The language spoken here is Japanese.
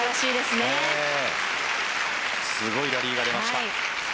すごいラリーが出ました。